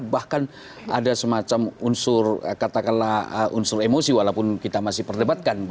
bahkan ada semacam unsur katakanlah unsur emosi walaupun kita masih perdebatkan